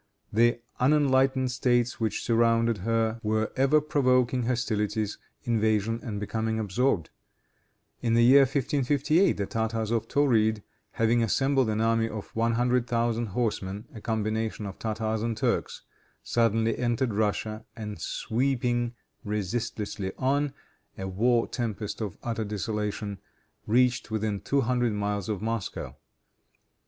The unenlightened States which surrounded her, were ever provoking hostilities, invasion, and becoming absorbed. In the year 1558, the Tartars of Tauride, having assembled an army of one hundred thousand horsemen, a combination of Tartars and Turks, suddenly entered Russia, and sweeping resistlessly on, a war tempest of utter desolation, reached within two hundred miles of Moscow.